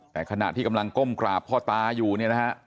แต่ขณะที่กำลังก้มกราบพ่อตาอยู่เนี่ยนะฮะ